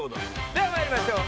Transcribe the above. では参りましょう。